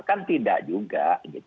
kan tidak juga